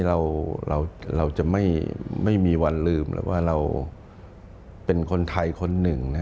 เราจะไม่มีวันลืมแล้วว่าเราเป็นคนไทยคนหนึ่ง